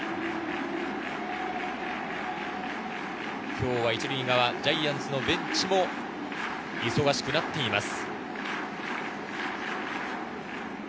今日は１塁側ジャイアンツのベンチも忙しくなっています。